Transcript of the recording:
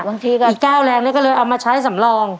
บางทีการก้าวแรงนี่ก็เลยเอามาใช้สำรอง